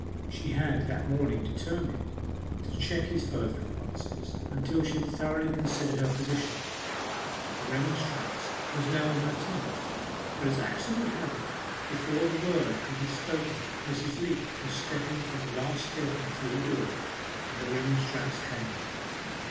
She had that morning determined to check his further advances, until she had thoroughly considered her position. The remonstrance was now on her tongue, but as accident would have it, before the word could be spoken Mrs. Leat was stepping from the last stair to the floor, and no remonstrance came.